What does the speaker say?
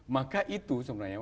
maka itu sebenarnya